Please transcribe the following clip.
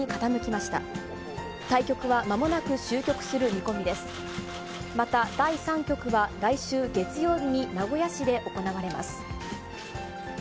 また、第３局は、来週月曜日に名古屋市で行われます。